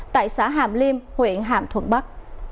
tại xã hàm liêm huyện hàm thuận bắc